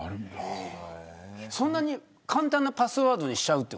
そんなに簡単なパスワードにしちゃうの。